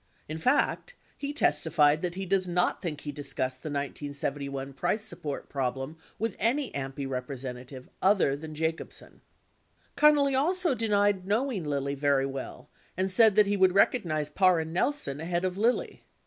In fact, he testified that he does not think he discussed the 1971 price support problem with any AMPI representative other than J acobsen. 5 " Connally also denied knowing Lilly very well and said that he would recognize Parr and Nelson ahead of Lilly.